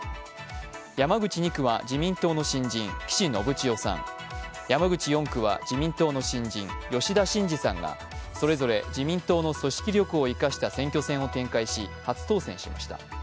山口２区は自民党の新人、岸信千世さん、山口４区は自民党の新人、吉田真次さんがそれぞれ、自民党の組織力を生かした選挙戦を展開し初当選しました。